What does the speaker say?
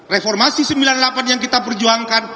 reformasi sembilan puluh delapan yang kita perjuangkan